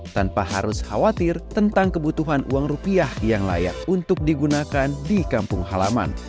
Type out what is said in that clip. tanpa harus khawatir tentang kebutuhan uang rupiah yang layak untuk digunakan di kampung halaman